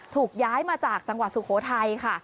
ถูกย้ายมาจากจังหวัดสุโขทัยค่ะ